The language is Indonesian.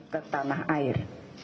ke tanah air